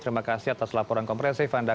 terima kasih atas laporan kompresif anda